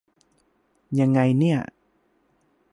ยังไงเนี่ย